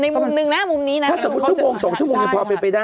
ในมุมนึงนะมุมนี้นะถ้าสมมุติชั่วโมง๒ชั่วโมงนั้นพอไปได้